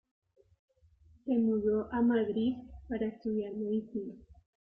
Se mudó a Madrid para estudiar Medicina.